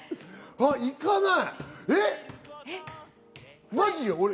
あ、行かない！